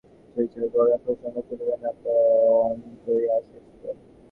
সুচরিতা গোরার প্রসঙ্গ তুলিবে না পণ করিয়া আসিয়াছিল।